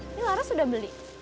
iya laras udah beli